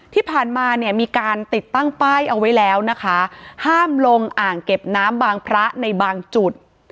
ที่ผ่านมาเนี่ยมีการติดตั้งป้ายเอาไว้แล้วนะคะห้ามลงอ่างเก็บน้ำบางพระในบางจุด